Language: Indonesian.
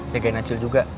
jagain acil juga